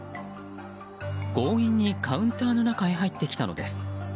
強引にカウンターの中へ入ってきたのです。